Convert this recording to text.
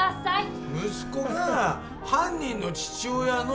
息子がさ犯人の父親の。